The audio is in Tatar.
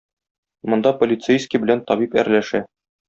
Монда полицейский белән табиб әрләшә